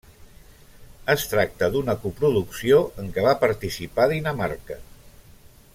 Es tracta d'una coproducció en què van participar Dinamarca.